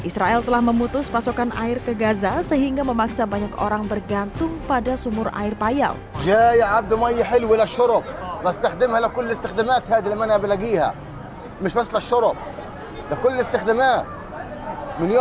sebagai contoh banyak orang diperlukan